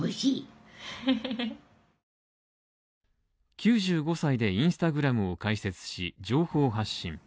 ９５歳でＩｎｓｔａｇｒａｍを開設し、情報発信。